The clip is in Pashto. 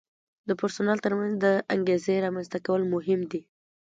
د پرسونل ترمنځ د انګیزې رامنځته کول مهم دي.